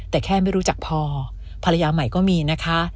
แต่แค่ไม่รู้จักพอภรรยาใหม่ก็มีนะคะ